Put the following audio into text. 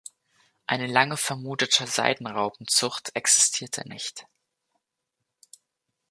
Eine lange vermutete Seidenraupenzucht existierte nicht.